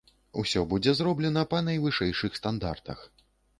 Усё будзе зроблена па найвышэйшых стандартах.